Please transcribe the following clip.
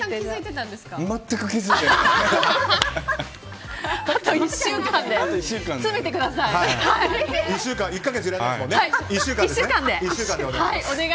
全く気づいてない。